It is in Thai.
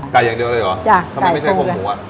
ไก่อย่างเดียวเลยหรอทำไมไม่ใช่โครงหมูอ่ะ